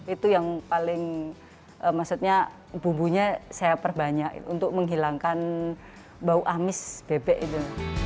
itu yang paling maksudnya bumbunya saya perbanyak untuk menghilangkan bau amis bebek itu